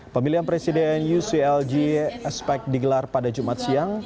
pemilihan presiden uclg aspek digelar pada jumat siang